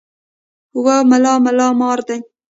وې ملا ملا مار دی.